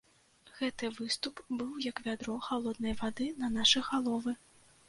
Гэты выступ быў як вядро халоднай вады на нашы галовы.